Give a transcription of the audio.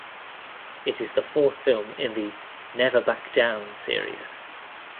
It is the fourth film in the "Never Back Down" series.